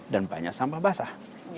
dan banyak sampah basah